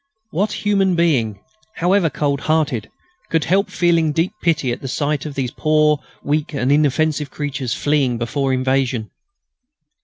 What human being, however cold hearted, could help feeling deep pity at the sight of those poor, weak and inoffensive creatures fleeing before invasion?